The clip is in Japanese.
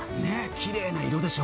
きれいな色でしょ。